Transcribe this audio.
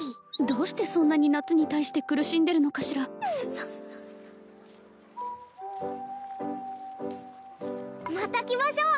どうしてそんなに夏に対して苦しんでるのかしらスッサッまた来ましょう！